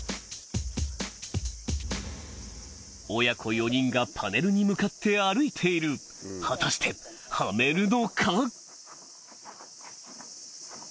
親子４人がパネルに向かって歩いている果たしてハメるのか？